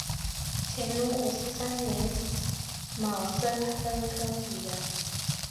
乾隆五十三年戊申恩科举人。